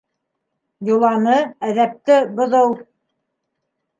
Йоланы, әҙәпте боҙоу!